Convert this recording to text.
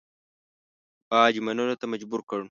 باج منلو ته مجبور کړ.